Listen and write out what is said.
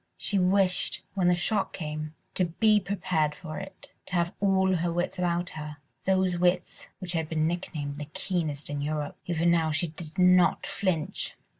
She wished, when the shock came, to be prepared for it, to have all her wits about her—those wits which had been nicknamed the keenest in Europe. Even now she did not flinch.